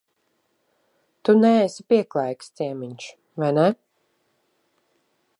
Tu neesi pieklājīgs ciemiņš, vai ne?